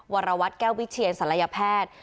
วรวัตรแก้ววิเชียนศัลยแพทย์